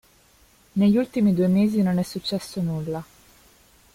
Negli ultimi due mesi non è successo nulla.".